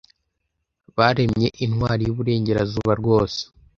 baremye intwari yuburengerazuba rwose